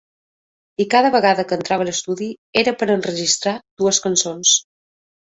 I cada vegada que entrava a l’estudi era per a enregistrar dues cançons.